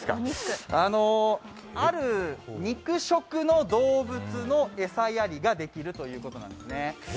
あのある肉食の動物の餌やりができるということなんです。